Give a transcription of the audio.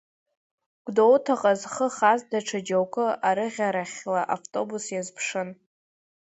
Гәдоуҭаҟа зхы хаз даҽа џьоукы арыӷьарахьла автобус иазԥшын.